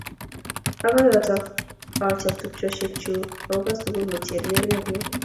Akoyoto achop tupchoshek chuk koba sukul kocher berberiet